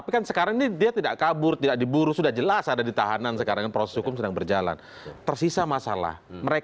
posisi jemaah apakah